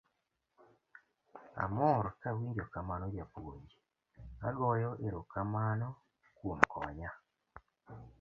Amor kawinjo kamano japuonj, agoyo ero kamano kuom konya.